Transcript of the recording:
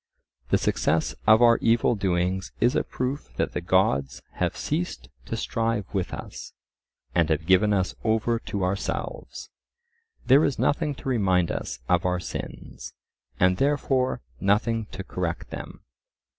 The success of our evil doings is a proof that the gods have ceased to strive with us, and have given us over to ourselves. There is nothing to remind us of our sins, and therefore nothing to correct them.